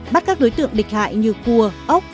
bắt các đối tượng địch hại như cua ốc